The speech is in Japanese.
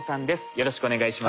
よろしくお願いします。